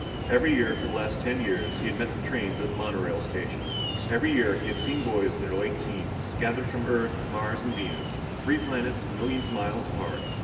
Every year, for the last ten years, he had met the trains at the monorail station. Every year, he had seen boys in their late teens, gathered from Earth, Mars and Venus, three planets millions of miles apart.